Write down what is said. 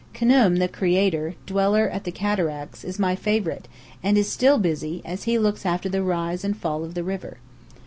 Khnum the Creator, dweller at the Cataracts, is my favourite, and is still busy, as he looks after the rise and fall of the river.